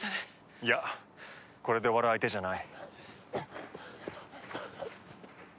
いやこれで終わる相手じゃない。